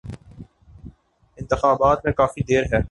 انتخابات میں کافی دیر ہے۔